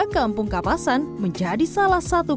kampung kapasan menjadi salah satu